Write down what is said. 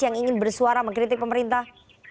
yang ingin bersuara mengkritik pemerintah